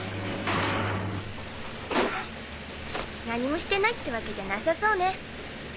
何もしてないってわけじゃなさそうね。